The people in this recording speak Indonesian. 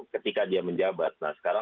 ketika dia menjabat